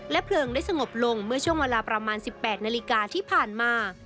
เพลิงได้สงบลงเมื่อช่วงเวลาประมาณ๑๘นาฬิกาที่ผ่านมา